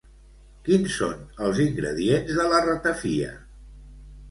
Quins són els ingredients de la ratafia?